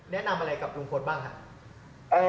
แนะนำอะไรกับลุงพลบ้างครับ